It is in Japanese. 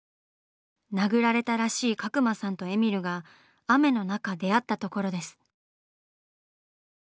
殴られたらしい角間さんとえみるが雨の中出会ったところです。